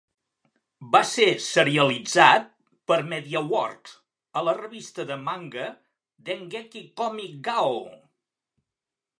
Va ser serialitzat per MediaWorks a la revista de manga Dengeki Comic Gao!